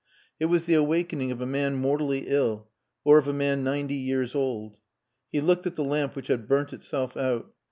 It was the awakening of a man mortally ill, or of a man ninety years old. He looked at the lamp which had burnt itself out.